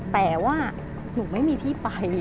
แต่ว่าหนูไม่มีที่ไป